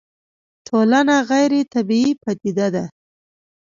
ټولنه غيري طبيعي پديده ده